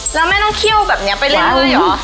แล้วแม่ต้องเคี่ยวแบบนี้ไปเล่นด้วยเหรอ